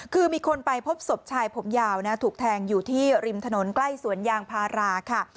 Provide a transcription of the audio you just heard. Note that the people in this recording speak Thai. คือมีคนไปพบศพชายผมยาวถูกแทงอยู่ที่ริมถนนใกล้สวนยางพาราค่ะ